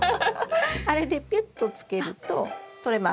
あれでピュッとつけるととれます。